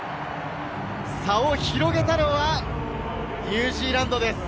差を広げたのはニュージーランドです。